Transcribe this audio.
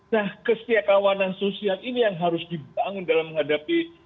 nah kesetiakawanan sosial ini yang harus dibangun dalam menghadapi